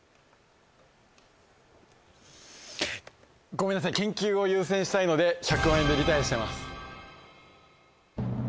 ごめんなさい研究を優先したいので１００万円でリタイアします。